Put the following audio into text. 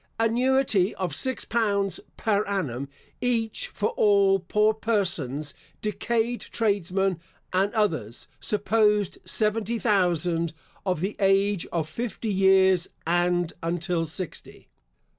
Annuity of six pounds (per annum) each for all poor persons, decayed tradesmen, and others (supposed seventy thousand) of the age of fifty years, and until sixty.